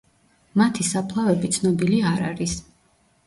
მათი საფლავები ცნობილი არ არის.